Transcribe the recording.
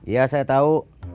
iya saya tau